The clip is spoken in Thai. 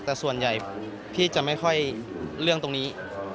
แต่ส่วนใหญ่พี่จะไม่ค่อยเรื่องตรงนี้